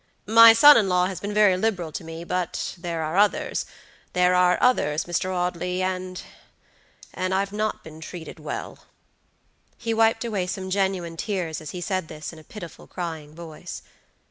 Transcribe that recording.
"My son in law has been very liberal to me; but there are others, there are others, Mr. AudleyandandI've not been treated well." He wiped away some genuine tears as he said this in a pitiful, crying voice.